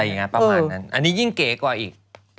อย่างนั้นประมาณนั้นอันนี้ยิ่งเก๋กว่าอีก